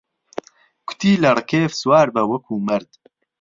کوتی لە ڕکێف سوار به وهکوو مەرد